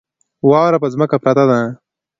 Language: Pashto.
واوره په ځمکه پرته ده.